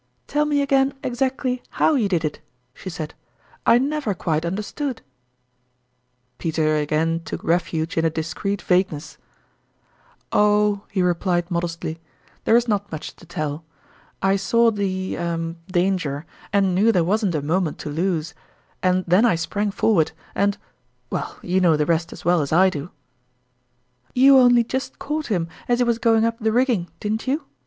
" Tell me again exactly ?iow you did it," she said. " I never quite understood." Peter again took refuge in a discreet vague ness. 38 tourmalin's ime (!II)eqtie0. "Oh," he replied, modestly, "there is not much to tell. I saw the er danger, and knew there wasn't a moment to lose ; and then I sprang forward, and well, you know the rest as well as I do !"" You only just caught him as he was going up the rigging, didn't you